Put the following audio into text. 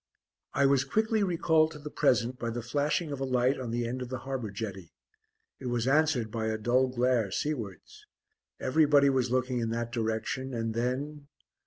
I was quickly recalled to the present by the flashing of a light on the end of the harbour jetty. It was answered by a dull glare seawards; everybody was looking in that direction; and then....